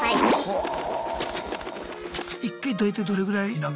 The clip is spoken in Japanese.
はあ！